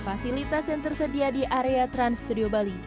fasilitas yang tersedia di area trans studio bali